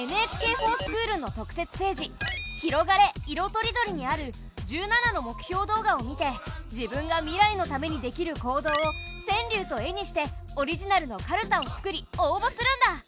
「ＮＨＫｆｏｒＳｃｈｏｏｌ」の特設ページ「ひろがれ！いろとりどり」にある１７の目標動画を見て自分が未来のためにできる行動を川柳と絵にしてオリジナルのかるたを作り応ぼするんだ！